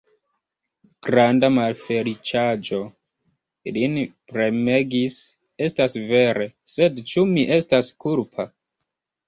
Granda malfeliĉaĵo lin premegis; estas vere: sed ĉu mi estas kulpa?